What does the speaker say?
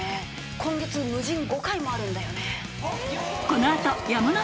「今月ムジン５回もあるんだよね」。